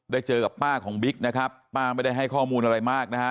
เจอกับป้าของบิ๊กนะครับป้าไม่ได้ให้ข้อมูลอะไรมากนะฮะ